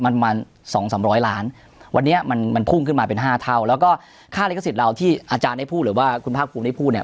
มันมาสองสามร้อยล้านวันนี้มันมันพุ่งขึ้นมาเป็นห้าเท่าแล้วก็ค่าลิขสิทธิ์เราที่อาจารย์ได้พูดหรือว่าคุณภาคภูมิได้พูดเนี่ย